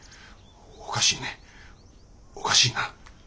おかしいねおかしいな。